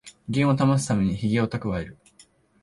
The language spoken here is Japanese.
威厳を保つためにヒゲをたくわえる